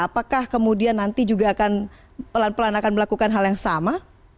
apakah kemudian nanti juga akan pelan pelan akan melakukan hal yang sama